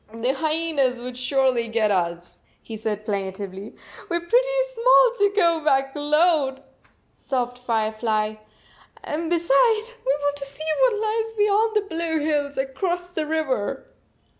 " The hyenas would surely get us," he said plaintively. " We re pretty small to go back alone," sobbed Firefly. "And be sides, we want to see what lies beyond the blue hills across the river."